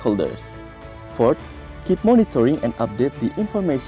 kedua terus mengembangkan dan mengupdati informasi